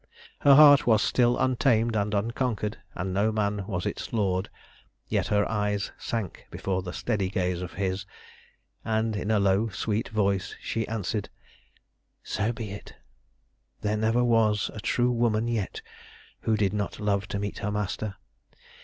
Her heart was still untamed and unconquered, and no man was its lord, yet her eyes sank before the steady gaze of his, and in a low sweet voice she answered "So be it! There never was a true woman yet who did not love to meet her master.